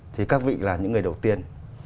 thì các vị là những người đầu tiên